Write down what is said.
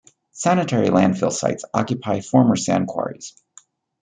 Sanitary landfill sites occupy former sand quarries.